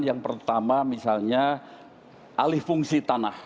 yang pertama misalnya alih fungsi tanah